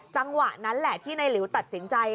จังหวะนั้นแหละที่ในหลิวตัดสินใจ